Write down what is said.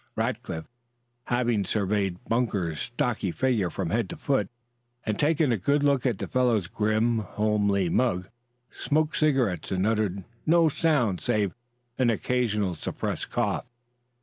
Rackliff, having surveyed Bunk's stocky figure from head to foot and taken a good look at the fellow's grim, homely mug, smoked cigarettes and uttered no sound save an occasional suppressed cough.